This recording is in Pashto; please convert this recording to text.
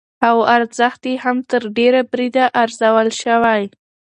او ارزښت يې هم تر ډېره بريده ارزول شوى،